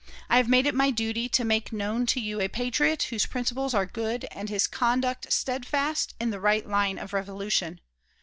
I have made it my duty to make known to you a patriot whose principles are good and his conduct steadfast in the right line of revolution.